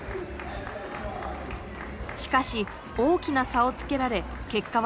しかし大きな差をつけられ結果は６位。